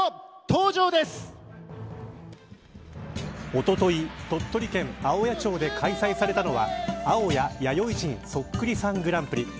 おととい、鳥取県青谷町で開催されたのは青谷弥生人そっくりさんグランプリ。